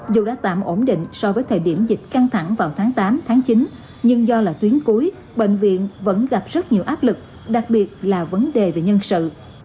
dù đã tạm ổn định so với thời điểm dịch căng thẳng vào tháng tám tháng chín nhưng do là tuyến cuối bệnh viện vẫn gặp rất nhiều áp lực đặc biệt là vấn đề về nhân sự